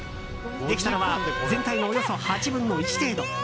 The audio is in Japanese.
できたのは全体のおよそ８分の１程度。